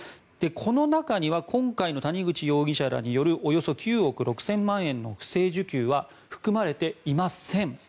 この中には今回の谷口容疑者らによるおよそ９億６０００万円の不正受給は含まれていません。